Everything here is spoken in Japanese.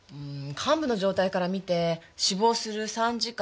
患部の状態から見て死亡する３時間から７時間前。